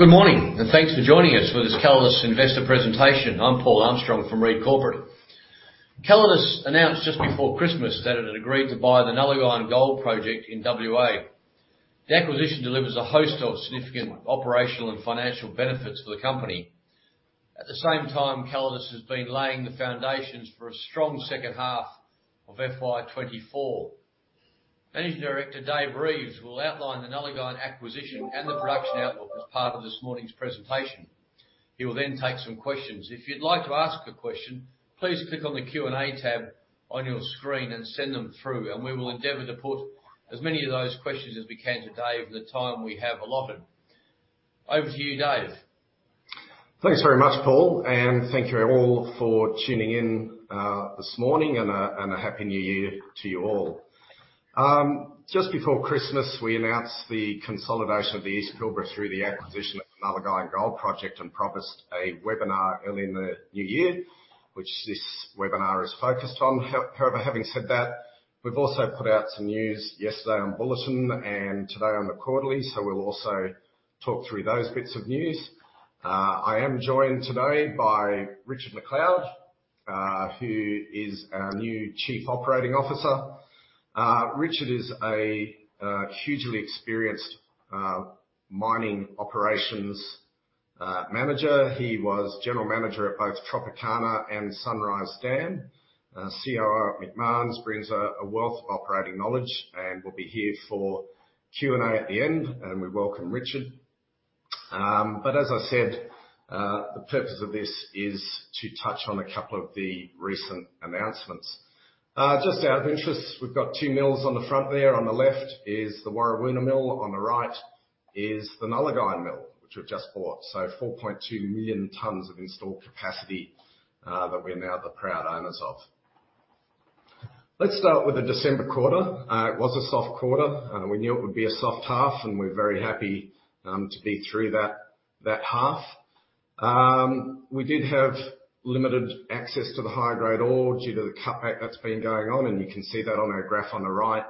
Good morning, and thanks for joining us for this Calidus investor presentation. I'm Paul Armstrong from Read Corporate. Calidus announced just before Christmas that it had agreed to buy the Nullagine Gold Project in WA. The acquisition delivers a host of significant operational and financial benefits for the company. At the same time, Calidus has been laying the foundations for a strong second half of FY 2024. Managing Director, Dave Reeves, will outline the Nullagine acquisition and the production outlook as part of this morning's presentation. He will then take some questions. If you'd like to ask a question, please click on the Q&A tab on your screen and send them through, and we will endeavour to put as many of those questions as we can today over the time we have allotted. Over to you, Dave. Thanks very much, Paul, and thank you all for tuning in this morning, and a Happy New Year to you all. Just before Christmas, we announced the consolidation of the East Pilbara through the acquisition of the Nullagine Gold Project, and promised a webinar early in the new year, which this webinar is focused on. However, having said that, we've also put out some news yesterday on Bulletin and today on the quarterly, so we'll also talk through those bits of news. I am joined today by Richard McLeod, who is our new Chief Operating Officer. Richard is a hugely experienced mining operations manager. He was general manager at both Tropicana and Sunrise Dam. COO at Macmahon, brings a wealth of operating knowledge and will be here for Q&A at the end, and we welcome Richard. But as I said, the purpose of this is to touch on a couple of the recent announcements. Just out of interest, we've got two mills on the front there. On the left is the Warrawoona mill, on the right is the Nullagine mill, which we've just bought. So 4.2 million tonnes of installed capacity that we are now the proud owners of. Let's start with the December quarter. It was a soft quarter, we knew it would be a soft half, and we're very happy to be through that half. We did have limited access to the high-grade ore due to the cutback that's been going on, and you can see that on our graph on the right.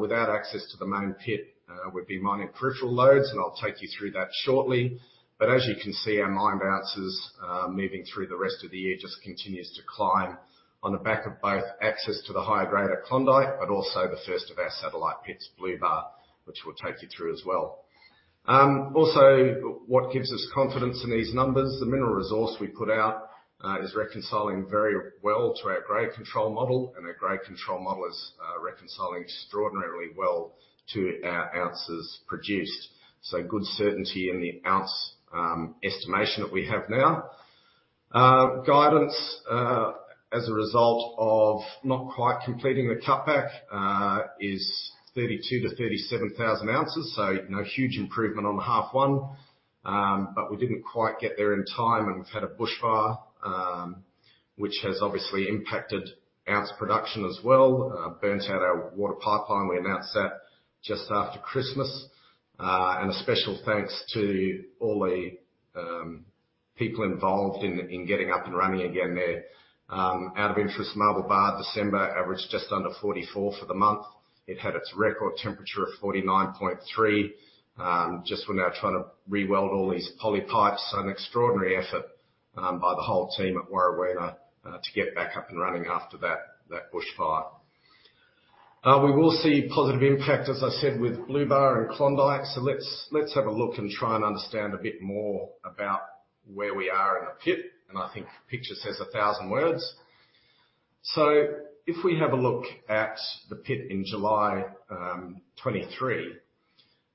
Without access to the main pit, we'd be mining peripheral lodes, and I'll take you through that shortly. But as you can see, our mined ounces moving through the rest of the year just continues to climb on the back of both access to the higher grade at Klondyke, but also the first of our satellite pits, Blue Bar, which we'll take you through as well. Also, what gives us confidence in these numbers, the mineral resource we put out, is reconciling very well to our grade control model, and our grade control model is reconciling extraordinarily well to our ounces produced. So good certainty in the ounce estimation that we have now. Guidance, as a result of not quite completing the cutback, is 32,000-37,000 ounces, so no huge improvement on the half one. But we didn't quite get there in time, and we've had a bushfire, which has obviously impacted ounce production as well. Burnt out our water pipeline. We announced that just after Christmas. A special thanks to all the people involved in getting up and running again there. Out of interest, Marble Bar, December, averaged just under 44 degrees Celsius for the month. It had its record temperature of 49.3 degrees Celsius. Just when we were trying to re-weld all these poly pipes. So an extraordinary effort by the whole team at Warrawoona to get back up and running after that bushfire. We will see positive impact, as I said, with Blue Bar and Klondyke. So let's have a look and try and understand a bit more about where we are in the pit, and I think the picture says a thousand words. So if we have a look at the pit in July 2023,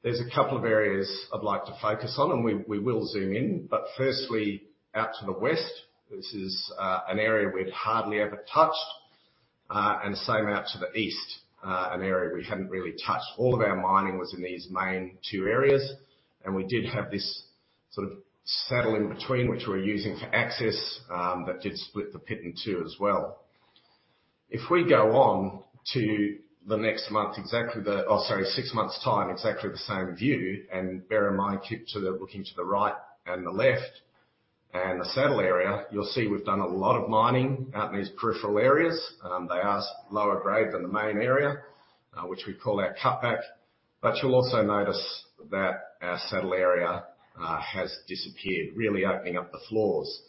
there's a couple of areas I'd like to focus on, and we will zoom in. But firstly, out to the west, this is an area we'd hardly ever touched, and same out to the east, an area we hadn't really touched. All of our mining was in these main two areas, and we did have this sort of saddle in between, which we were using for access, but did split the pit in two as well. If we go on to the next month. Oh, sorry, six months' time, exactly the same view. And bear in mind, looking to the right and the left, and the saddle area, you'll see we've done a lot of mining out in these peripheral areas. They are lower grade than the main area, which we call our cutback. But you'll also notice that our saddle area has disappeared, really opening up the floors.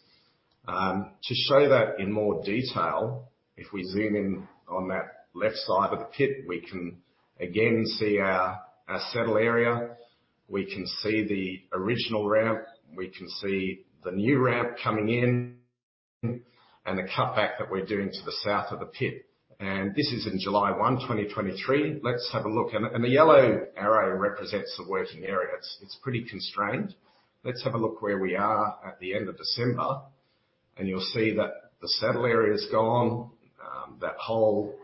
To show that in more detail, if we zoom in on that left side of the pit, we can again see our saddle area, we can see the original ramp, we can see the new ramp coming in, and the cutback that we're doing to the south of the pit. This is in July 1, 2023. Let's have a look. The yellow arrow represents the working area. It's pretty constrained. Let's have a look where we are at the end of December, and you'll see that the saddle area is gone. That whole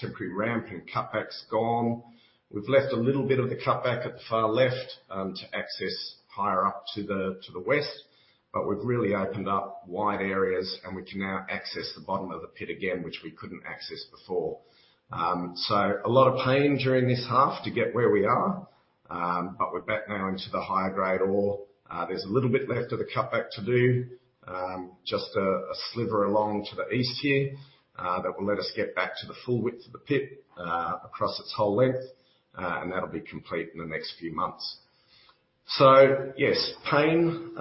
temporary ramp and cutback is gone. We've left a little bit of the cutback at the far left, to access higher up to the, to the west, but we've really opened up wide areas, and we can now access the bottom of the pit again, which we couldn't access before. So a lot of pain during this half to get where we are, but we're back now into the higher grade ore. There's a little bit left of the cutback to do. Just a sliver along to the east here, that will let us get back to the full width of the pit, across its whole length, and that'll be complete in the next few months. So yes, pain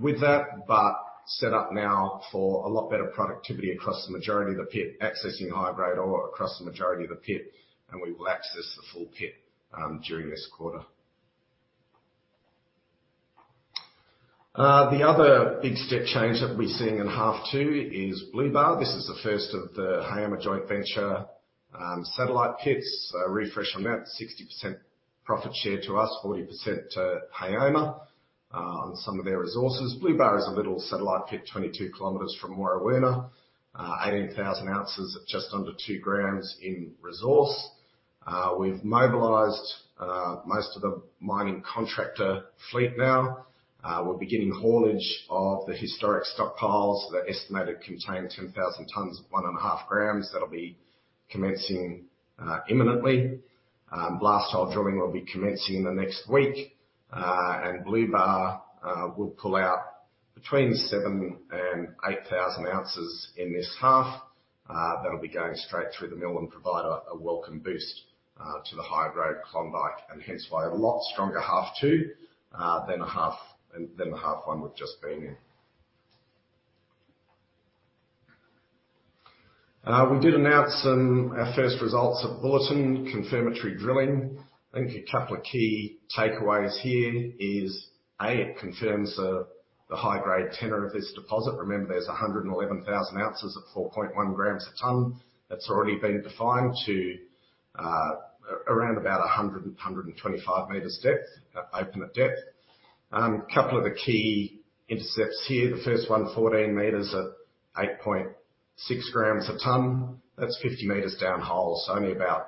with that, but set up now for a lot better productivity across the majority of the pit, accessing high-grade ore across the majority of the pit, and we will access the full pit during this quarter. The other big step change that we're seeing in half two is Blue Bar. This is the first of the Haoma joint venture satellite pits. A refresh on that, 60% profit share to us, 40% to Haoma, on some of their resources. Blue Bar is a little satellite pit, 22 kilometres from Warrawoona. Eighteen thousand ounces at just under 2 grams in resource. We've mobilized most of the mining contractor fleet now. We're beginning haulage of the historic stockpiles that are estimated to contain 10,000 tonnes, 1.5 grams. That'll be commencing imminently. Blast hole drilling will be commencing in the next week. Blue Bar will pull out between 7,000-8,000 ounces in this half. That'll be going straight through the mill and provide a welcome boost to the high-grade Klondyke, and hence why a lot stronger half two than the half, than the half one we've just been in. We did announce our first results of Bulletin confirmatory drilling. I think a couple of key takeaways here is, A, it confirms the high-grade tenor of this deposit. Remember, there's 111,000 ounces at 4.1 grams a ton. That's already been defined to around about 125 metres depth, open at depth. A couple of the key intercepts here. The first one, 14 metres at 8.6 grams a ton. That's 50 metres down hole, so only about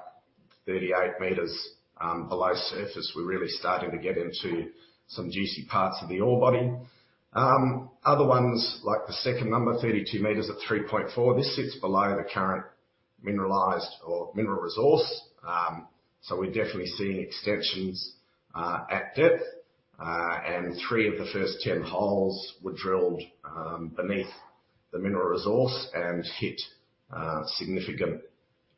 38 metres below surface. We're really starting to get into some juicy parts of the ore body. Other ones, like the second number, 32 metres at 3.4. This sits below the current mineralized or mineral resource. So we're definitely seeing extensions at depth. And three of the first 10 holes were drilled beneath the mineral resource and hit significant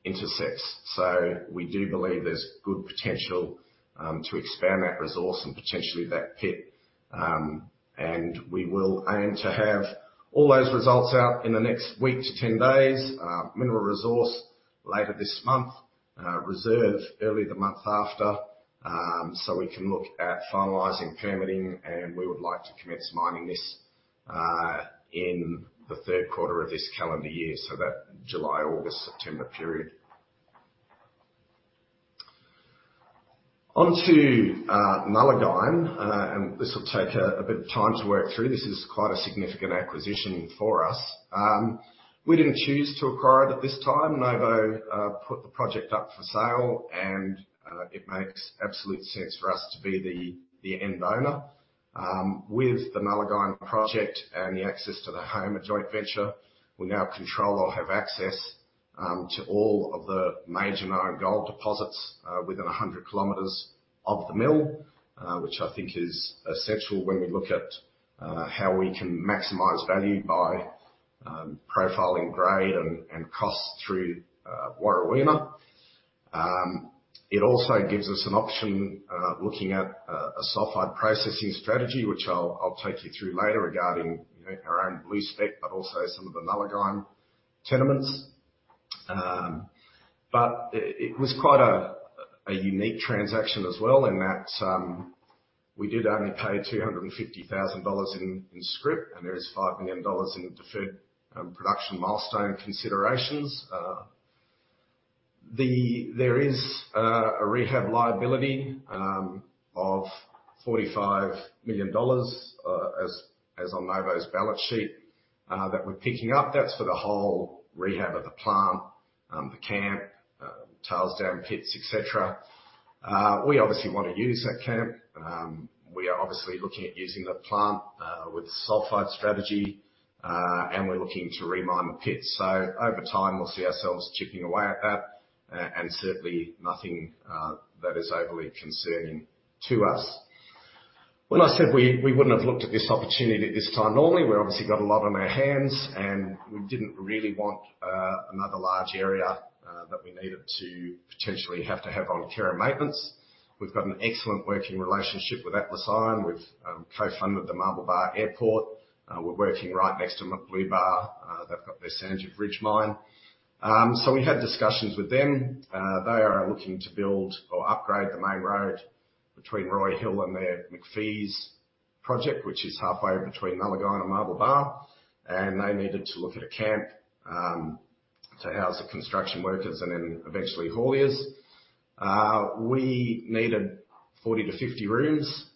intercepts. So we do believe there's good potential to expand that resource and potentially that pit. And we will aim to have all those results out in the next week to 10 days. Mineral Resource later this month, reserve early the month after. So we can look at finalizing permitting, and we would like to commence mining this, in the third quarter of this calendar year, so that July, August, September period. On to Nullagine. And this will take a bit of time to work through. This is quite a significant acquisition for us. We didn't choose to acquire it at this time. Novo put the project up for sale, and it makes absolute sense for us to be the end owner. With the Haoma project and the access to Haoma, a joint venture, we now control or have access to all of the major known gold deposits within 100 kilometres of the mill. Which I think is essential when we look at how we can maximize value by profiling grade and costs through Warrawoona. It also gives us an option looking at a sulphide processing strategy, which I'll take you through later regarding, you know, our own Blue Spec, but also some of the Haoma tenements. But it was quite a unique transaction as well in that we did only pay 250,000 dollars in scrip, and there is 5 million dollars in deferred production milestone considerations. There is a rehab liability of 45 million dollars as on Novo's balance sheet that we're picking up. That's for the whole rehab of the plant, the camp, tails dam pits, et cetera. We obviously want to use that camp. We are obviously looking at using the plant with sulphide strategy, and we're looking to re-mine the pits. So over time, we'll see ourselves chipping away at that, and certainly nothing that is overly concerning to us. When I said we wouldn't have looked at this opportunity at this time, normally, we've obviously got a lot on our hands, and we didn't really want another large area that we needed to potentially have to have on care and maintenance. We've got an excellent working relationship with Atlas Iron. We've co-funded the Marble Bar Airport. We're working right next to Blue Bar. They've got their Sanjiv Ridge mine. So we had discussions with them. They are looking to build or upgrade the main road between Roy Hill and their McPhee's project, which is halfway between Nullagine and Marble Bar, and they needed to look at a camp to house the construction workers and then eventually hauliers. We needed 40-50 rooms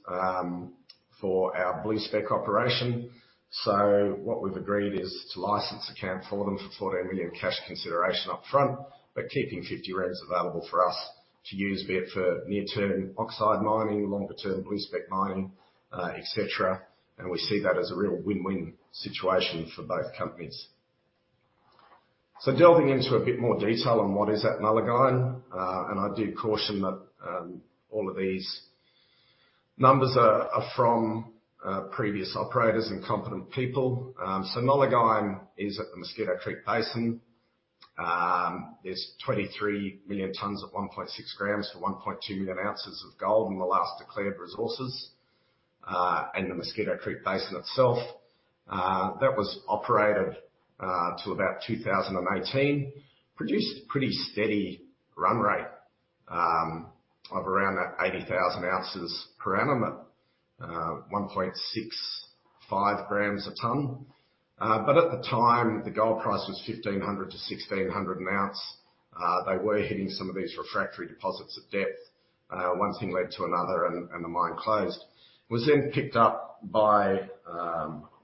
for our Blue Spec operation. So what we've agreed is to license the camp for them for 14 million cash consideration up front, but keeping 50 rooms available for us to use, be it for near-term oxide mining, longer-term Blue Spec mining, et cetera. And we see that as a real win-win situation for both companies. So delving into a bit more detail on what is at Nullagine, and I do caution that all of these numbers are from previous operators and competent people. So Nullagine is at the Mosquito Creek Basin. There's 23 million tonnes at 1.6 grams for 1.2 million ounces of gold in the last declared resources. And the Mosquito Creek Basin itself, that was operated till about 2018. Produced pretty steady run rate of around that 80,000 ounces per annum, at 1.65 grams a ton. But at the time, the gold price was $1,500-$1,600 an ounce. They were hitting some of these refractory deposits at depth. One thing led to another, and the mine closed. It was then picked up by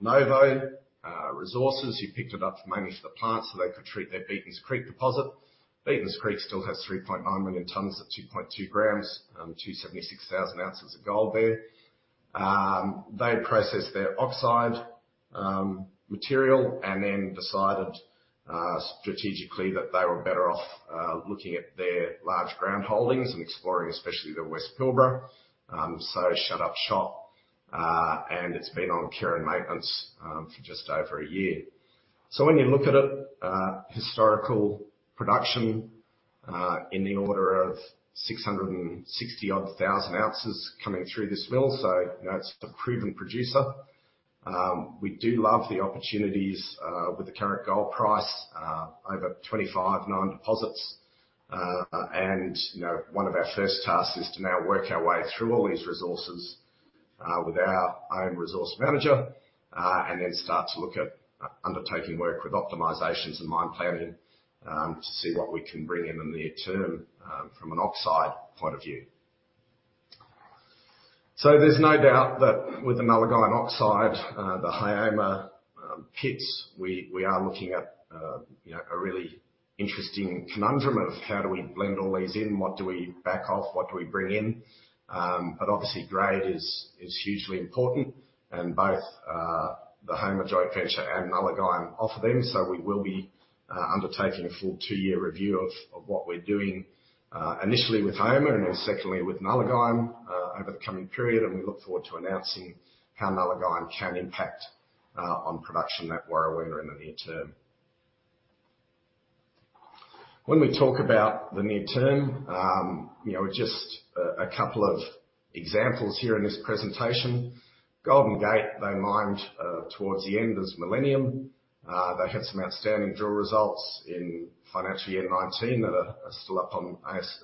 Novo Resources, who picked it up mainly for the plant, so they could treat their Beatons Creek deposit. Beatons Creek still has 3.9 million tonnes at 2.2 grams, 276,000 ounces of gold there. They processed their oxide material and then decided strategically that they were better off looking at their large ground holdings and exploring, especially the West Pilbara. So shut up shop and it's been on care and maintenance for just over a year. So when you look at it, historical production in the order of 660,000-odd ounces coming through this mill, so you know, it's a proven producer. We do love the opportunities with the current gold price over 25 known deposits. You know, one of our first tasks is to now work our way through all these resources with our own resource manager, and then start to look at undertaking work with optimizations and mine planning, to see what we can bring in the near term, from an oxide point of view. There's no doubt that with Nullagine in oxide, the Haoma pits, we are looking at, you know, a really interesting conundrum of how do we blend all these in? What do we back off? What do we bring in? But obviously, grade is hugely important, and both the Haoma joint venture and Nullagine offer them. We will be undertaking a full two-year review of what we're doing, initially with Haoma and then secondly with Nullagine, over the coming period. And we look forward to announcing how Nullagine can impact, on production at Warrawoona in the near term. When we talk about the near term, you know, just a couple of examples here in this presentation. Golden Gate, they mined towards the end of this Millennium Minerals. They had some outstanding drill results in financial year 2019, that are still up on ASX,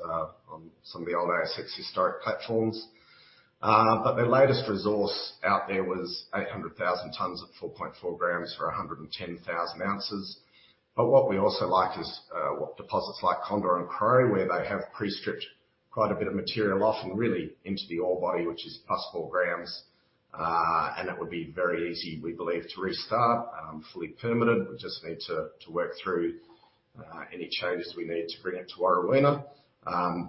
on some of the old ASX historic platforms. But their latest resource out there was 800,000 tonnes of 4.4 grams for 110,000 ounces. But what we also liked is, what deposits like Condor and Crow, where they have pre-stripped quite a bit of material off and really into the ore body, which is +4 grams. And it would be very easy, we believe, to restart, fully permitted. We just need to work through any changes we need to bring it to Warrawoona.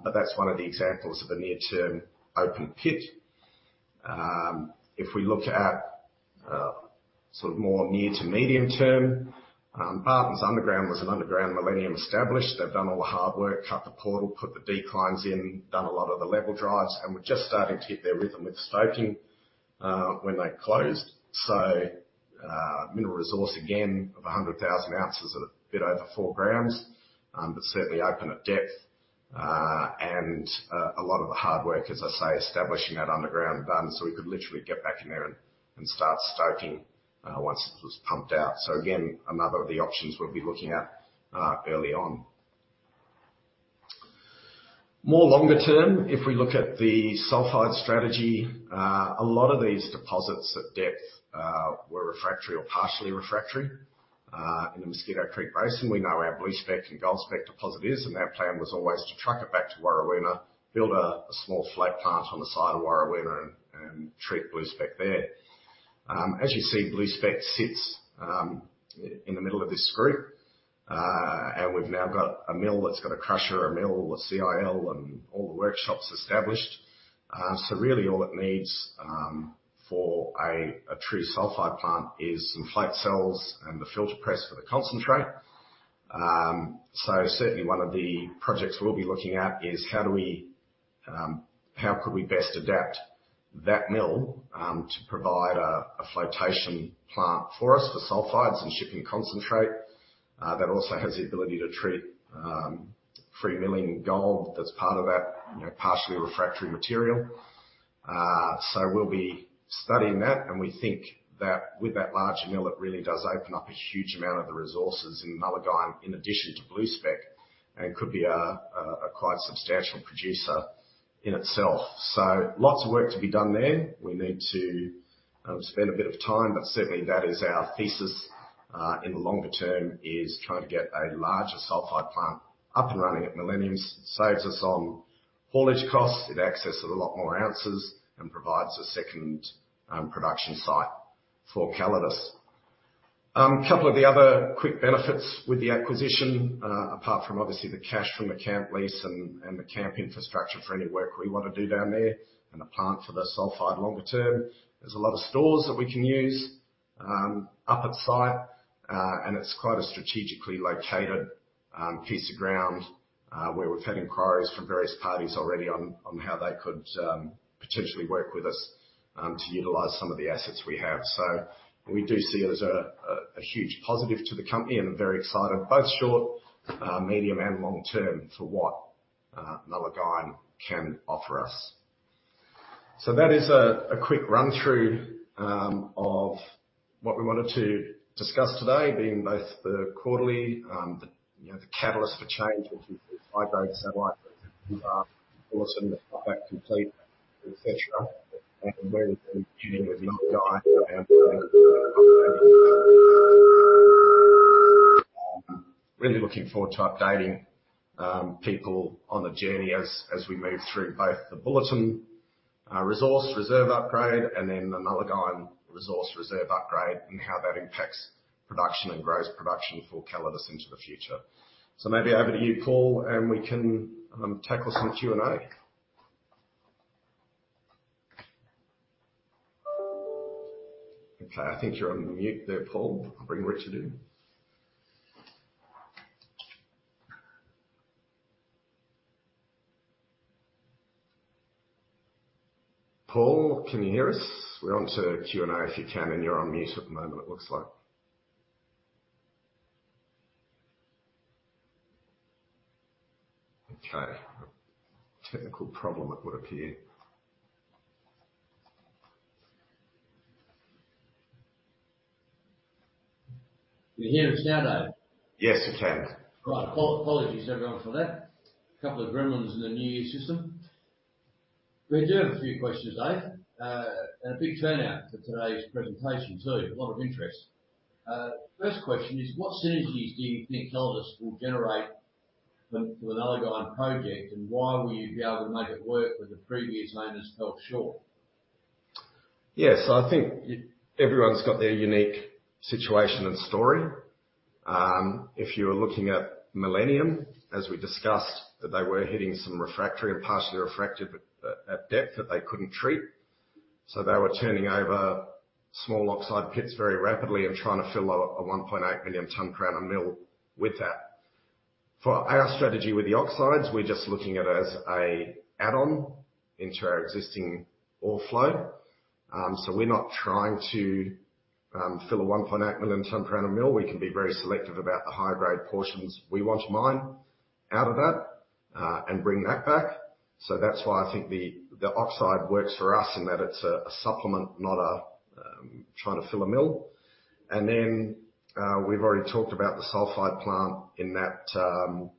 But that's one of the examples of a near-term open pit. If we look at sort of more near to medium-term, Bartons Underground was an underground Millennium established. They've done all the hard work, cut the portal, put the declines in, done a lot of the level drives, and were just starting to get their rhythm with stoping when they closed. So, mineral resource, again, of 100,000 ounces at a bit over 4 grams, but certainly open at depth. And a lot of the hard work, as I say, establishing that underground done. So we could literally get back in there and start stoping once it was pumped out. So again, another of the options we'll be looking at early on. More longer term, if we look at the sulphide strategy, a lot of these deposits at depth were refractory or partially refractory. In the Mosquito Creek Basin, we know our Blue Spec and Gold Spec deposit is, and our plan was always to truck it back to Warrawoona, build a small flotation plant on the side of Warrawoona and treat Blue Spec there. As you see, Blue Spec sits in the middle of this group. And we've now got a mill that's got a crusher, a mill, a CIL, and all the workshops established. So really all it needs for a true sulphide plant is some flotation cells and a filter press for the concentrate. So certainly one of the projects we'll be looking at is how do we, how could we best adapt that mill to provide a flotation plant for us for sulphides and shipping concentrate? That also has the ability to treat free milling gold that's part of that, you know, partially refractory material. So we'll be studying that, and we think that with that large mill, it really does open up a huge amount of the resources in Nullagine, in addition to Blue Spec, and could be a quite substantial producer in itself. So lots of work to be done there. We need to spend a bit of time, but certainly that is our thesis in the longer term, is trying to get a larger sulphide plant up and running at Millennium. Saves us on haulage costs, it accesses a lot more ounces, and provides a second production site for Calidus. A couple of the other quick benefits with the acquisition, apart from obviously the cash from the camp lease and the camp infrastructure for any work we want to do down there, and the plant for the sulphide longer term. There's a lot of stores that we can use up at site, and it's quite a strategically located piece of ground, where we've had inquiries from various parties already on how they could potentially work with us to utilize some of the assets we have. So we do see it as a huge positive to the company and very excited, both short, medium, and long term for what Nullagine can offer us. So that is a quick run through of what we wanted to discuss today, being both the quarterly, you know, the catalyst for change, which is the high grade satellite Bulletin that complete, et cetera, and where we're heading with Nullagine. Really looking forward to updating people on the journey as we move through both the Bulletin resource reserve upgrade, and then the Nullagine resource reserve upgrade, and how that impacts production and growth production for Calidus into the future. So maybe over to you, Paul, and we can tackle some Q&A. Okay, I think you're on mute there, Paul. I'll bring Richard in. Paul, can you hear us? We're on to Q&A, if you can, and you're on mute at the moment, it looks like. Okay. Technical problem, it would appear. You hear us now, Dave? Yes, we can. Right. Apologies, everyone, for that. A couple of gremlins in the new year system. We do have a few questions, Dave. And a big turnout for today's presentation, too. A lot of interest. First question is, what synergies do you think Calidus will generate for the Nullagine project, and why will you be able to make it work where the previous owners fell short? Yes, I think everyone's got their unique situation and story. If you were looking at Millennium, as we discussed, that they were hitting some refractory and partially refractory at depth that they couldn't treat, so they were turning over small oxide pits very rapidly and trying to fill out a 1.8 million tonne per annum mill with that. For our strategy with the oxides, we're just looking at it as a add-on into our existing ore flow. So we're not trying to fill a 1.8 million tonne per annum mill. We can be very selective about the high-grade portions we want to mine out of that, and bring that back. So that's why I think the oxide works for us, in that it's a supplement, not a trying to fill a mill. And then, we've already talked about the sulphide plant, in that,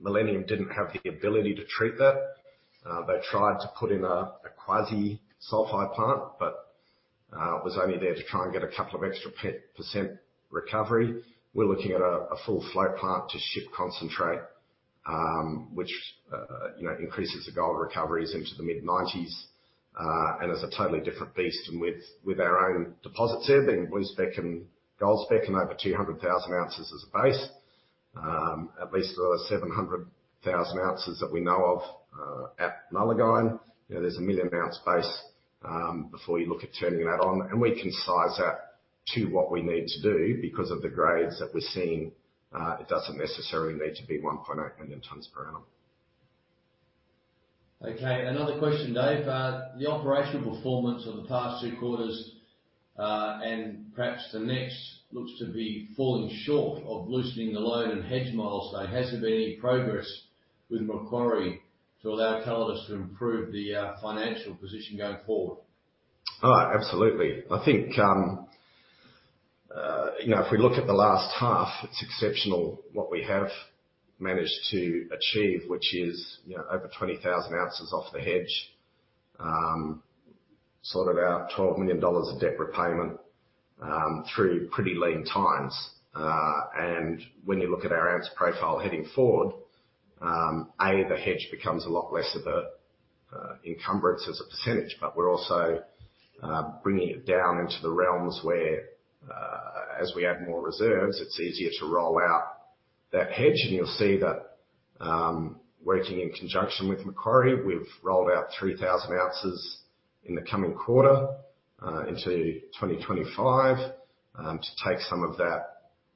Millennium didn't have the ability to treat that. They tried to put in a quasi-sulphide plant, but it was only there to try and get a couple of extra % recovery. We're looking at a flotation plant to ship concentrate, which, you know, increases the gold recoveries into the mid-90s, and is a totally different beast. And with our own deposits there, there was Blue Spec and Gold Spec over 200,000 ounces as a base. At least there are 700,000 ounces that we know of at Nullagine. You know, there's a 1 million ounce base before you look at turning that on, and we can size that to what we need to do. Because of the grades that we're seeing, it doesn't necessarily need to be 1.8 million tonnes per annum. Okay, another question, Dave. The operational performance of the past two quarters, and perhaps the next, looks to be falling short of loosening the loan and hedge model. So has there been any progress with Macquarie to allow Calidus to improve the financial position going forward? Oh, absolutely. I think, you know, if we look at the last half, it's exceptional what we have managed to achieve, which is, you know, over 20,000 ounces off the hedge. Sorted out 12 million dollars of debt repayment, through pretty lean times. And when you look at our ounce profile heading forward, A, the hedge becomes a lot less of a encumbrance as a percentage, but we're also bringing it down into the realms where, as we add more reserves, it's easier to roll out that hedge. And you'll see that, working in conjunction with Macquarie, we've rolled out 3,000 ounces in the coming quarter, into 2025, to take some of that,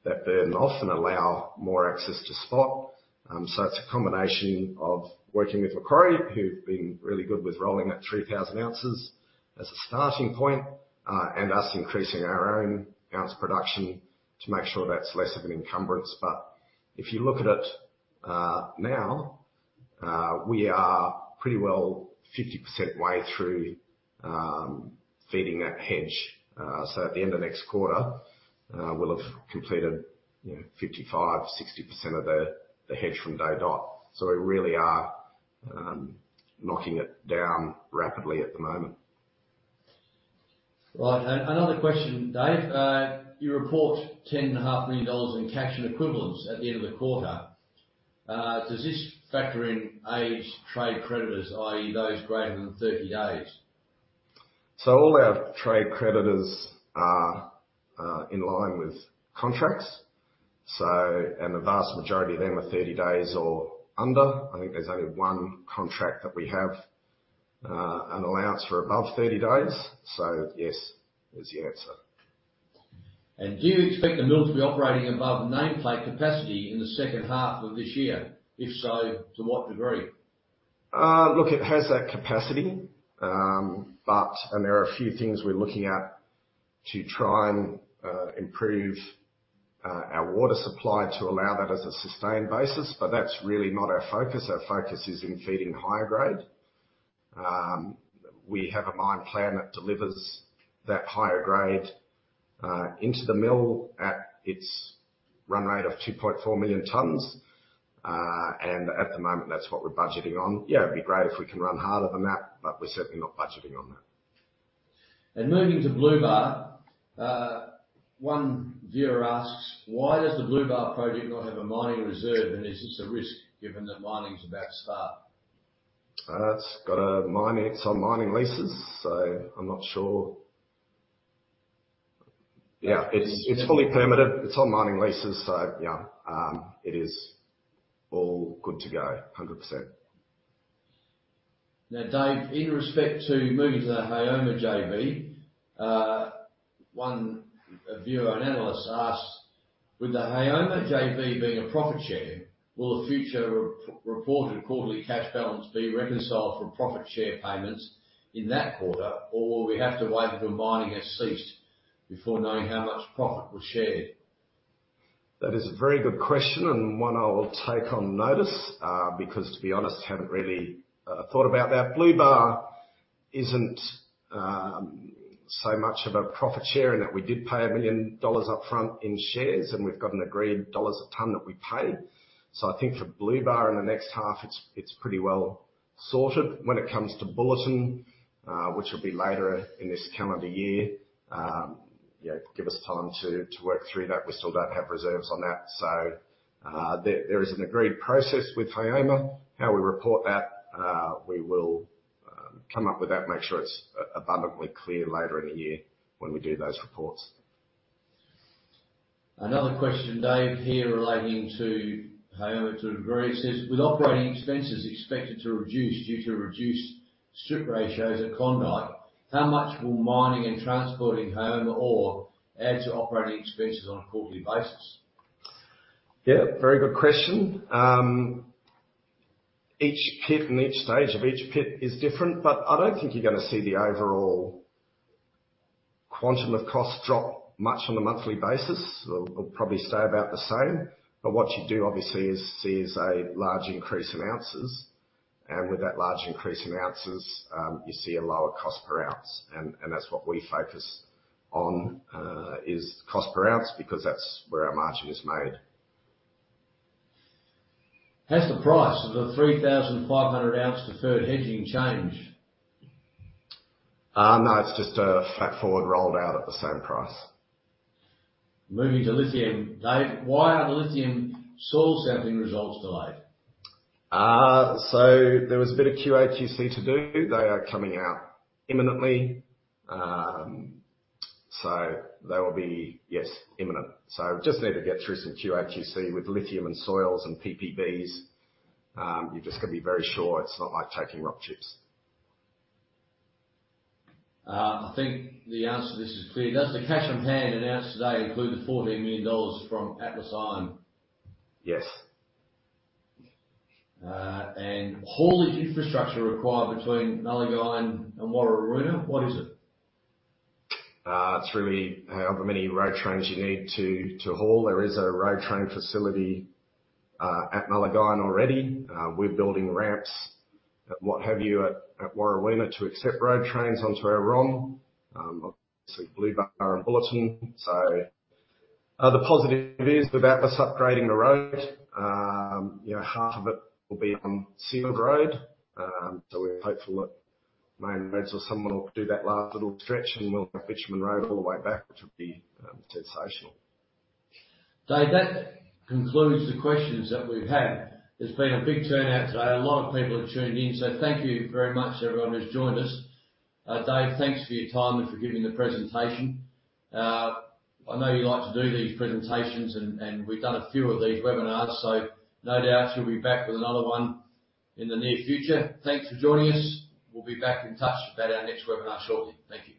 that burden off and allow more access to spot. So it's a combination of working with Macquarie, who've been really good with rolling that 3,000 ounces as a starting point, and us increasing our own ounce production to make sure that's less of an encumbrance. But if you look at it, now, we are pretty well 50% way through, feeding that hedge. So at the end of next quarter, we'll have completed, you know, 55-60% of the, the hedge from day dot. So we really are, knocking it down rapidly at the moment. Right. Another question, Dave. You report 10.5 million dollars in cash and equivalents at the end of the quarter. Does this factor in aged trade creditors, i.e., those greater than 30 days? So all our trade creditors are in line with contracts. So, and the vast majority of them are 30 days or under. I think there's only one contract that we have an allowance for above 30 days. So yes is the answer.... Do you expect the mill to be operating above nameplate capacity in the second half of this year? If so, to what degree? Look, it has that capacity, but there are a few things we're looking at to try and improve our water supply to allow that as a sustained basis, but that's really not our focus. Our focus is in feeding higher grade. We have a mine plan that delivers that higher grade into the mill at its run rate of 2.4 million tonnes. And at the moment, that's what we're budgeting on. Yeah, it'd be great if we can run harder than that, but we're certainly not budgeting on that. Moving to Blue Bar, one viewer asks: Why does the Blue Bar project not have a mining reserve, and is this a risk given that mining is about to start? It's got a mining, some mining leases, so I'm not sure. Yeah, it's fully permitted. It's on mining leases, so yeah, it is all good to go 100%. Now, Dave, in respect to moving to the Haoma JV, one, a viewer and analyst asked: With the Haoma JV being a profit share, will the future re-reported quarterly cash balance be reconciled from profit share payments in that quarter, or will we have to wait until mining has ceased before knowing how much profit was shared? That is a very good question, and one I will take on notice, because, to be honest, haven't really thought about that. Blue Bar isn't so much of a profit share in that we did pay 1 million dollars upfront in shares, and we've got an agreed AUD per ton that we pay. So I think for Blue Bar in the next half, it's pretty well sorted. When it comes to Bulletin, which will be later in this calendar year, yeah, give us time to work through that. We still don't have reserves on that. So, there is an agreed process with Haoma. How we report that, we will come up with that, make sure it's abundantly clear later in the year when we do those reports. Another question, Dave, here relating to Haoma, to a degree, it says: With operating expenses expected to reduce due to reduced strip ratios at Klondyke, how much will mining and transporting Haoma ore add to operating expenses on a quarterly basis? Yeah, very good question. Each pit and each stage of each pit is different, but I don't think you're gonna see the overall quantum of costs drop much on a monthly basis. It'll probably stay about the same, but what you do obviously is a large increase in ounces, and with that large increase in ounces, you see a lower cost per ounce. And that's what we focus on is cost per ounce, because that's where our margin is made. Has the price of the 3,500-ounce deferred hedging changed? No, it's just a forward rolled out at the same price. Moving to lithium, Dave, why are the lithium soil sampling results delayed? So there was a bit of QA/QC to do. They are coming out imminently. So they will be, yes, imminent. So just need to get through some QA/QC. With lithium and soils and PPBs, you've just got to be very sure it's not like taking rock chips. I think the answer to this is clear. Does the cash on hand announced today include the 14 million dollars from Atlas Iron? Yes. And haulage infrastructure required between Nullagine and Warrawoona, what is it? It's really however many road trains you need to, to haul. There is a road train facility at Nullagine already. We're building ramps at what have you at Warrawoona to accept road trains onto our ROM. Obviously Blue Bar and Bulletin. So, the positive news about us upgrading the road, you know, half of it will be on sealed road. So we're hopeful that Main Roads or someone will do that last little stretch, and we'll have bitumen road all the way back, which would be sensational. Dave, that concludes the questions that we've had. There's been a big turnout today. A lot of people have tuned in, so thank you very much everyone who's joined us. Dave, thanks for your time and for giving the presentation. I know you like to do these presentations, and we've done a few of these webinars, so no doubt you'll be back with another one in the near future. Thanks for joining us. We'll be back in touch about our next webinar shortly. Thank you.